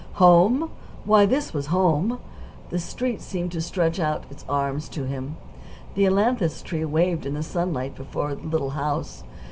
Home! Why, this WAS home. The Street seemed to stretch out its arms to him. The ailanthus tree waved in the sunlight before the little house.